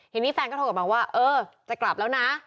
ทีนี้แฟนก็โทรกลับมาว่าเออจะกลับแล้วนะ